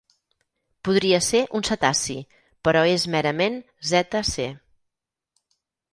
Podria ser un cetaci, però és merament zeta ce.